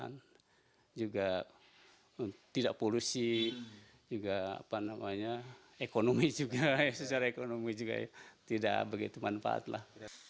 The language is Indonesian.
untuk kesehatan juga tidak polusi juga apa namanya ekonomi juga ya secara ekonomi juga ya tidak begitu manfaat lah